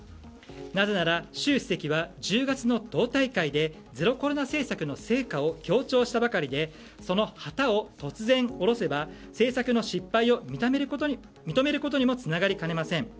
なぜなら、習主席は１０月の党大会でゼロコロナ政策の成果を強調したばかりでその旗を突然下ろせば政策の失敗を認めることにもつながりかねません。